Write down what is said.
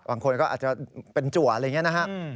บางคนก็อาจจะเป็นจัวอะไรอย่างนี้นะฮะ